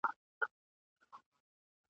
نه به یې د ستورو غاړګۍ درته راوړې وي ..